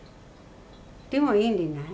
でもいいんでない？